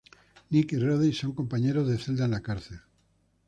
Nick y Rudy son compañeros de celda en la cárcel.